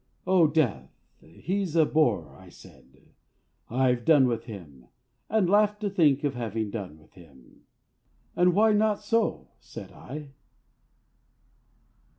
"Oh! Death.... He's a Bore," I said; "I've done with him," and laughed to think of having done with him. "And why not so?" said I.